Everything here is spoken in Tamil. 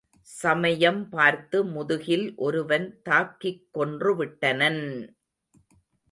சமயம் பார்த்து முதுகில் ஒருவன் தாக்கிக் கொன்று விட்டனன்!